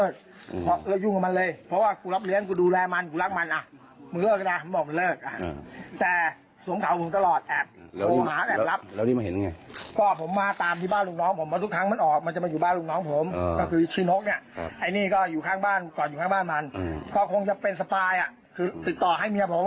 ก่อนอยู่ข้างบ้านมันก็คงจะเป็นสปายคือติดต่อให้เมียผม